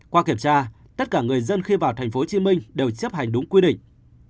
qua kiểm tra tất cả người dân khi vào tp hcm đều chấp hành đúng quy định